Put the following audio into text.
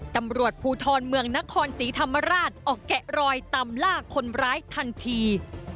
ตำรวจภูทรเมืองนครศรีธรรมราชออกแกะรอยตามลากคนร้ายทันที